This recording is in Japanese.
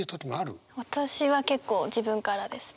私は結構自分からです。